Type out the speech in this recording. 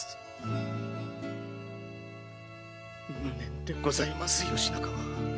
無念でございます義仲は。